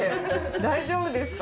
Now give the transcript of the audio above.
大丈夫ですか？